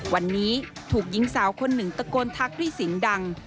วันนี้ถูกยิงสาวคนหนึ่งตะโกนทักที่ศิลป์ดัง